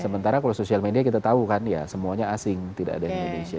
sementara kalau sosial media kita tahu kan ya semuanya asing tidak ada di indonesia